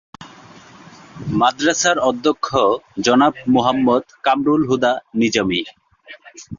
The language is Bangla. মাদ্রাসার অধ্যক্ষ জনাব মোহাম্মদ কামরুল হুদা নিজামী।